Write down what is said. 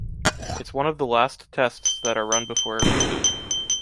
It's one of the last tests that are run before a reboot.